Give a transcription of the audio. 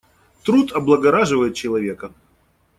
Труд облагораживает человека.